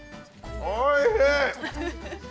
◆おいしい！